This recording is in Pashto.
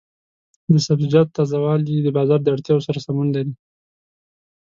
د سبزیجاتو تازه والي د بازار د اړتیاوو سره سمون لري.